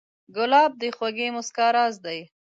ګلاب د خوږې موسکا راز دی.